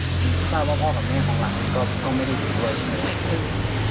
ถ้าว่าพ่อกับแม่ของหลังก็ไม่ได้ช่วยใช่ไหม